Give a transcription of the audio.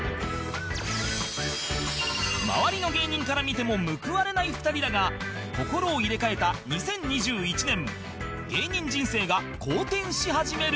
周りの芸人から見ても報われない２人だが心を入れ替えた２０２１年芸人人生が好転し始める